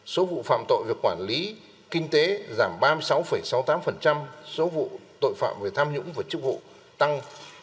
số vụ phạm tội về quản lý kinh tế giảm ba mươi sáu sáu mươi tám số vụ tội phạm về tham nhũng về chức vụ tăng bốn mươi chín mươi bảy